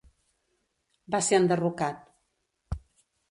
Va ser enderrocat.